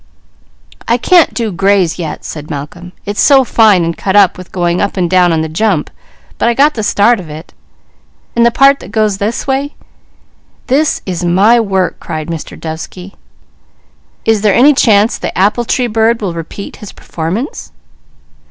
"I can't do gray's yet," said Malcolm. "It's so fine, and cut up, with going up and down on the jump, but I got the start of it, and the part that goes this way " "This is my work!" cried Mr. Dovesky. "Is there any chance the apple tree bird will repeat his performance?"